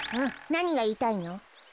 なにがいいたいの？